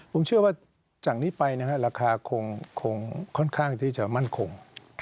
ผมเชื่อว่าจากนี้ไปนะฮะราคาคงค่อนข้างที่จะมั่นคง